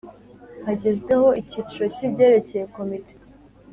Hagezweho Icyiciro cy’ibyerekeye Komite